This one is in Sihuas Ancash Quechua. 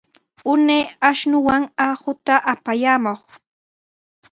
Unay ashnuwan aquta apayamuq.